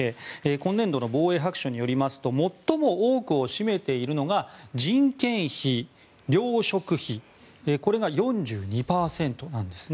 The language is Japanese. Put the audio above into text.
今年度の防衛白書によりますと最も多くを占めているのが人件費・糧食費これが４２％なんです。